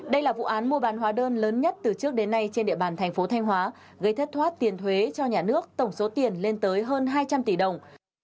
đây là vụ án mua bán hóa đơn lớn nhất từ trước đến nay trên địa bàn thành phố thanh hóa gây thất thoát tiền thuế cho nhà nước tổng số tiền lên tới hơn hai trăm linh tỷ đồng